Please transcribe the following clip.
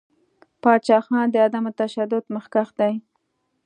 پاچاخان د عدم تشدد مخکښ دی.